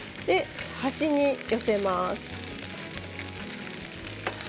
端に寄せます。